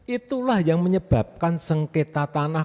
itulah yang menyebabkan sengketa tanah